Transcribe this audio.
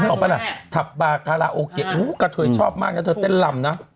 มึงออกปะล่ะทับปากาลาโอเกะอู้กาเทยชอบมากแล้วเธอเต้นลำนะ